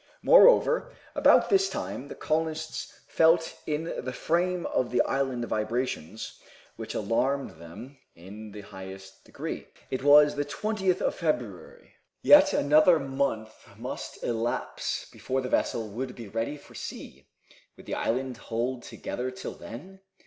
Moreover, about this time the colonists felt in the frame of the island vibrations which alarmed them to the highest degree. It was the 20th of February. Yet another month must elapse before the vessel would be ready for sea. Would the island hold together till then?